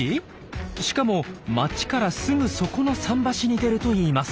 しかも街からすぐそこの桟橋に出るといいます。